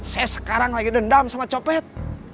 saya sekarang lagi dendam sama copet